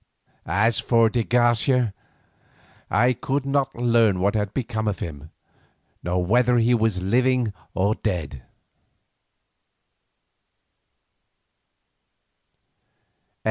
As for de Garcia I could not learn what had become of him, nor whether he was dead or living.